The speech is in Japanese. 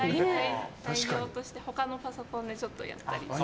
代用として他のパソコンでちょっとやったり。